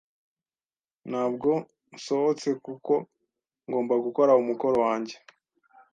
Ntabwo nsohotse kuko ngomba gukora umukoro wanjye.